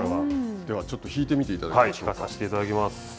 では、ちょっと引いてみていただきましょう。